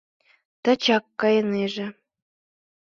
Тачак кайынеже...